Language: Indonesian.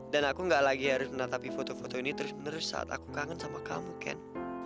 dan aku nggak lagi harus menatapi foto foto ini terus menerus saat aku kangen sama kamu ken